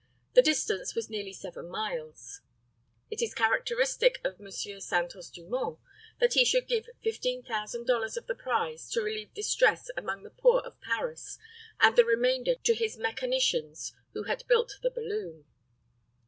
The distance was nearly 7 miles. It is characteristic of M. Santos Dumont that he should give $15,000 of the prize to relieve distress among the poor of Paris, and the remainder to his mechanicians who had built the balloon.